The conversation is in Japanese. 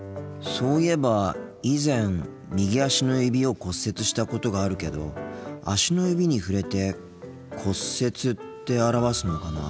そういえば以前右足の指を骨折したことがあるけど足の指に触れて「骨折」って表すのかな。